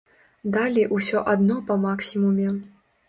Далі ўсё адно па максімуме.